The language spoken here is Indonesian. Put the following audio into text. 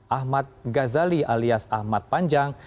ahmad ghazali alias ahmad panjang